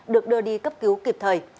được đưa đi cấp cứu kịp thời